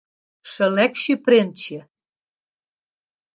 Seleksje printsje.